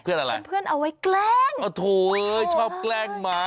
เพื่อนอะไรเป็นเพื่อนเอาไว้แกล้งโอ้โธ่ชอบแกล้งหมา